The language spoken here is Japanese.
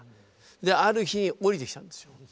ある日降りてきたんですよ